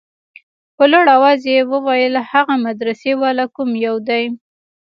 په لوړ اواز يې وويل هغه مدرسې والا کوم يو دى.